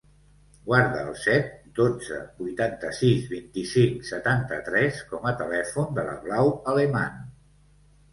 Guarda el set, dotze, vuitanta-sis, vint-i-cinc, setanta-tres com a telèfon de la Blau Aleman.